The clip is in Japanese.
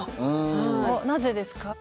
なぜですか？